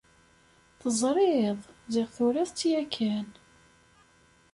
Teẓriḍ! Ziɣ turiḍ-tt yakan.